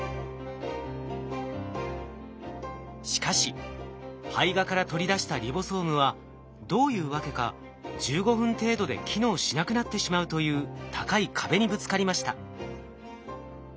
しかし胚芽から取り出したリボソームはどういうわけか１５分程度で機能しなくなってしまうという高い壁にぶつかりました。